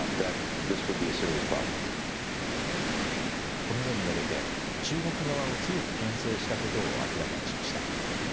このように述べて、中国側を強くけん制したことを明らかにしました。